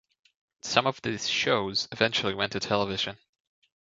Some of these shows eventually went to television.